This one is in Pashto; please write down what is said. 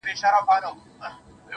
o هلته د ژوند تر آخري سرحده.